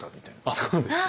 そうですね。